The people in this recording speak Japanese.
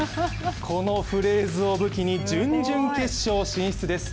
このフリーズを武器に準々決勝進出です。